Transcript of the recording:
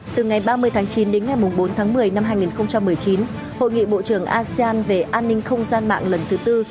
từ ngày ba mươi tháng chín đến ngày bốn tháng một mươi năm hai nghìn một mươi chín hội nghị bộ trưởng asean về an ninh không gian mạng lần thứ tư